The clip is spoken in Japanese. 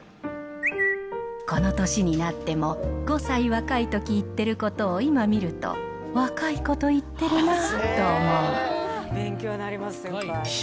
この年になっても、５歳若いとき言ってることを今見ると、若いこと言ってるなと思う。